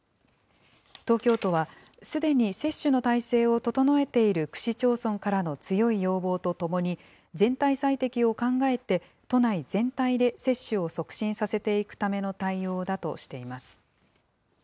東京都はすでに接種の体制を整えている区市町村からの強い要望とともに、全体最適を考えて、都内全体で接種を促進させていくための対応だ